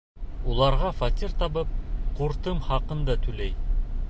Уларға фатир табып, ҡуртым хаҡын да түләй.